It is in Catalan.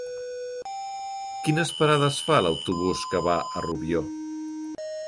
Quines parades fa l'autobús que va a Rubió?